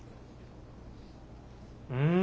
うん。